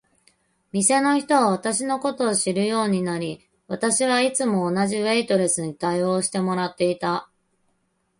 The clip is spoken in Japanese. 店の人は私のことを知るようになり、私はいつも同じウェイトレスに応対してもらっていた。